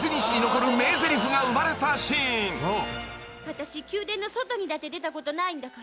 「私宮殿の外にだって出たことないんだから」